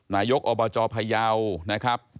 นายกอบาจอพะเยาว์นะครับ